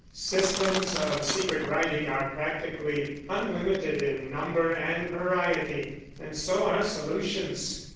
Systems of secret writing are practically unlimited in number and variety and so are solutions.